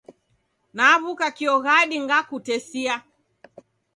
New'uka kio ghadi ngandakutesia.